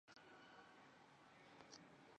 战争过程主要是同盟国和协约国之间的战斗。